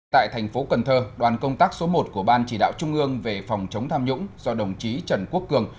tại thành phố cần thơ đoàn công tác số một của ban chỉ đạo trung ương về phòng chống tham nhũng do đồng chí trần quốc cường